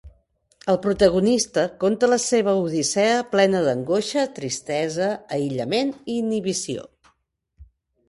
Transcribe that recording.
El protagonista conta la seva odissea plena d'angoixa, tristesa, aïllament i inhibició.